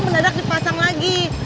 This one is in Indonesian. mendadak dipasang lagi